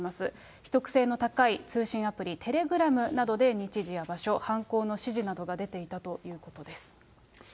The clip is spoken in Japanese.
秘匿性の高い通信アプリ、テレグラムなどで日時や場所、犯行の指示などが出ていたということです。